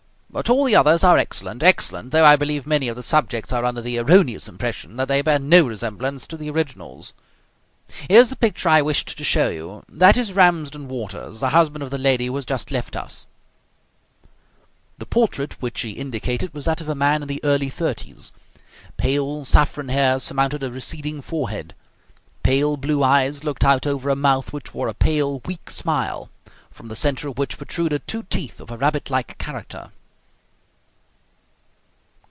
"But all the others are excellent, excellent, though I believe many of the subjects are under the erroneous impression that they bear no resemblance to the originals. Here is the picture I wished to show you. That is Ramsden Waters, the husband of the lady who has just left us." The portrait which he indicated was that of a man in the early thirties. Pale saffron hair surmounted a receding forehead. Pale blue eyes looked out over a mouth which wore a pale, weak smile, from the centre of which protruded two teeth of a rabbit like character.